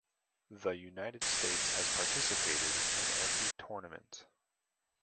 The United States has participated in every tournament.